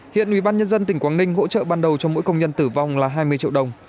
hiện ubnd tỉnh quảng ninh hỗ trợ ban đầu cho mỗi công nhân tử vong là hai mươi triệu đồng